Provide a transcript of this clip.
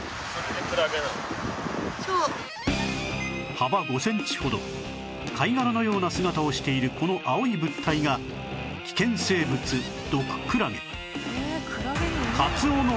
幅５センチほど貝殻のような姿をしているこの青い物体が危険生物毒クラゲ